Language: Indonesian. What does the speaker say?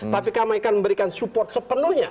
tapi kami akan memberikan support sepenuhnya